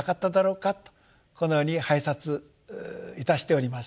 このように拝察いたしております。